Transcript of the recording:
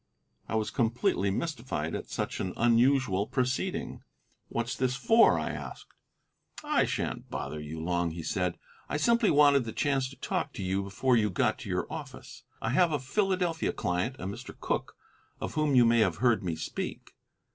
I was completely mystified at such an unusual proceeding. "What's this for?" I asked. "I shan't bother you long," he said; "I simply wanted the chance to talk to you before you got to your office. I have a Philadelphia client, a Mr. Cooke, of whom you may have heard me speak.